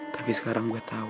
tapi sekarang gua tau